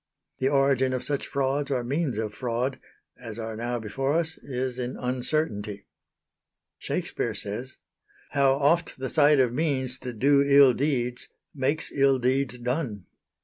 The origin of such frauds or means of fraud as are now before us is in uncertainty. Shakespeare says: "How oft the sight of means to do ill deeds Makes ill deeds done."